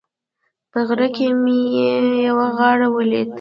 په غره کې مې یو غار ولید